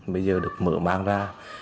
bây giờ được mở mang ra